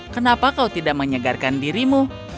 kenapa kau tidak menyegarkan dirimu